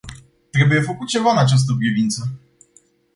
Trebuie făcut ceva în această privință.